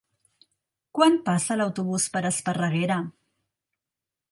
Quan passa l'autobús per Esparreguera?